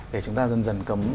để chúng ta dần dần cấm